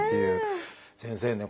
先生ね